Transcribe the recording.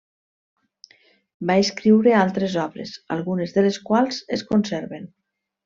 Va escriure altres obres, algunes de les quals es conserven.